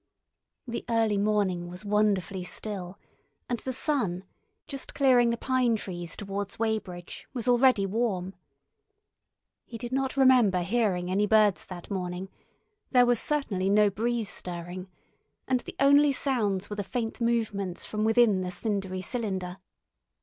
The early morning was wonderfully still, and the sun, just clearing the pine trees towards Weybridge, was already warm. He did not remember hearing any birds that morning, there was certainly no breeze stirring, and the only sounds were the faint movements from within the cindery cylinder.